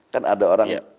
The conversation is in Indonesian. kan ada orang